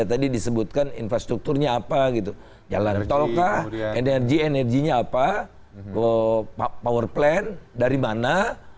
tadi disebutkan infrastrukturnya apa gitu jalan tolkah energi energinya apa power plant dari mana